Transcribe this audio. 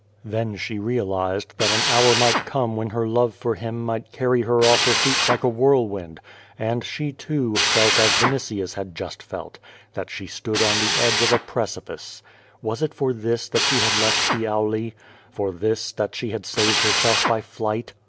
Then she realized that an hour might come when her love for him might carry her off her feet like a whirlwind, and she, too, felt as Vinitius had just felt — that she stood on the edge of a precipice. Was it for this that she had left the Auli? For this that she had saved herself by flight?